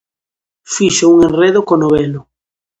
Fixo un enredo co nobelo.